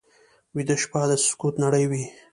ویده شپه د سکوت نړۍ وي